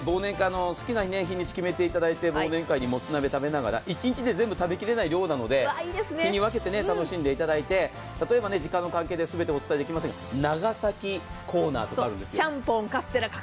好きな日にち決めていただいて、忘年会で、一日で全部食べきれない量なので、日に分けて楽しんでいただいて例えば時間の関係で全てはお伝えできませんが、長崎コーナーとかあるんですよ。